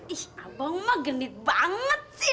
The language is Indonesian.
ih abang mah genit banget sih